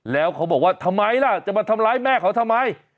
แล้วเขาบอกว่าทำไมล่ะจะมาทำร้ายแม่เขาทำไม